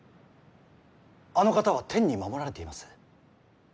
あの方は天に守られています。